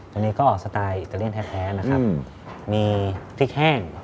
ตัวนี้ก็ออกสไตล์อิตาเลียนแท้นะครับมีพริกแห้ง